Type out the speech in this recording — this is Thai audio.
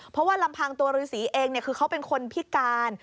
เพราะว่าลำพังตัวฤษีเองคือเขาเป็นคนพิการ